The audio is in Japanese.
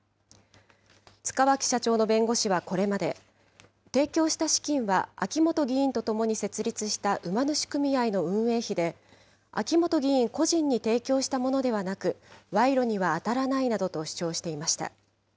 塚脇社長の弁護士はこれまで、提供した資金は秋本議員と共に設立した馬主組合の運営費で、秋本議員個人に提供したものではなく、賄賂には当たらないなどと主張していました。